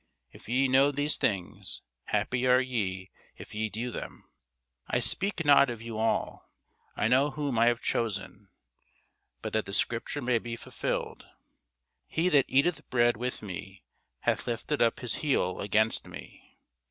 If ye know these things, happy are ye if ye do them. I speak not of you all: I know whom I have chosen: but that the scripture may be fulfilled, He that eateth bread with me hath lifted up his heel against me.